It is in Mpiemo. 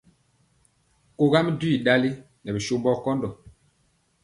Kogam jwi ɗali nɛ bisombɔ kɔndɔ.